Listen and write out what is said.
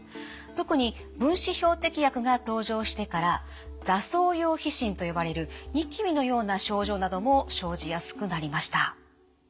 特に分子標的薬が登場してからざ瘡様皮疹と呼ばれるにきびのような症状なども生じやすくなりました。